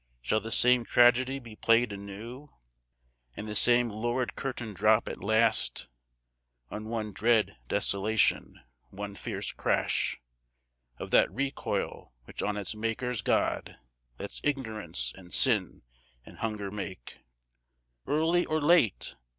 Shall the same tragedy be played anew, And the same lurid curtain drop at last On one dread desolation, one fierce crash Of that recoil which on its makers God Lets Ignorance and Sin and Hunger make, Early or late?